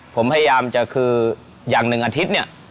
ผมพยายามจะคืออย่างหนึ่งอาทิตย์เนี่ย